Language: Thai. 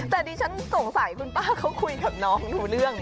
แต่ดิฉันสงสัยคุณป้าเขาคุยกับน้องรู้เรื่อง